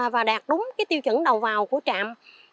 và đạt đúng tiêu chuẩn đầu vào của trạm